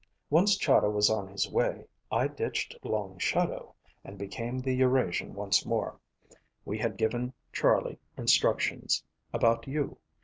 Once Chahda was on his way, I ditched Long Shadow and became the Eurasian once more. We had given Charlie instructions about you.